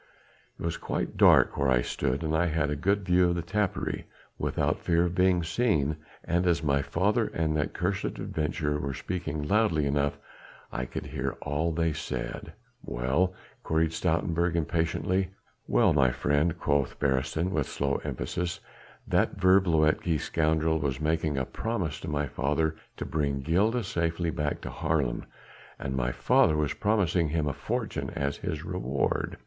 It was quite dark where I stood and I had a good view of the tapperij without fear of being seen, and as my father and that cursed adventurer were speaking loudly enough I could hear all that they said." "Well?" queried Stoutenburg impatiently. "Well, my friend," quoth Beresteyn with slow emphasis, "that vervloekte scoundrel was making a promise to my father to bring Gilda safely back to Haarlem, and my father was promising him a fortune as his reward."